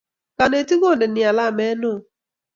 kanetik kendeni alamet neoo